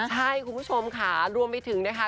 ใช่คุณผู้ชมค่ะรวมไปถึงนะคะ